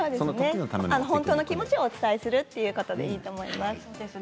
本当の気持ちをお伝えするということでいいと思います。